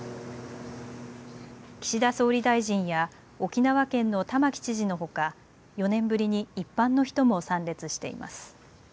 岸田総理大臣や沖縄県の玉城知事のほか、４年ぶりに一般の人も参列しています。